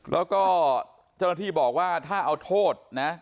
แล้วก็เจ้าหน้าที่บอกว่าถ้าเอาโทษนะ